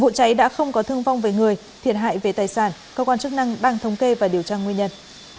vụ cháy đã không có thương vong về người thiệt hại về tài sản cơ quan chức năng đang thống kê và điều tra nguyên nhân